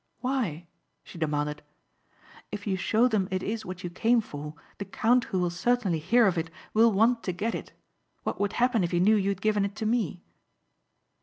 "Why?" she demanded. "If you show them it is what you came for the count who will certainly hear of it will want to get it. What would happen if he knew you had given it to me?"